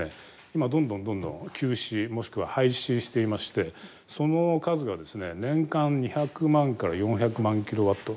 今どんどんどんどん休止もしくは廃止していましてその数がですね年間２００万から４００万キロワット。